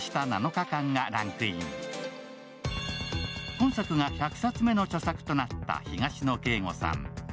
今作が１００冊目の著作となった東野圭吾さん。